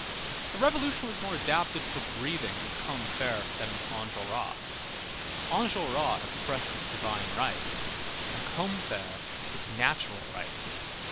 The Revolution was more adapted for breathing with Combeferre than with Enjolras. Enjolras expressed its divine right, and Combeferre its natural right.